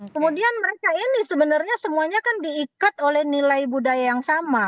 kemudian mereka ini sebenarnya semuanya kan diikat oleh nilai budaya yang sama